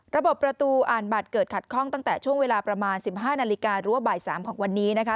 ระบบประตูอ่านบัตรเกิดขัดข้องตั้งแต่ช่วงเวลาประมาณ๑๕นาฬิกาหรือว่าบ่าย๓ของวันนี้นะคะ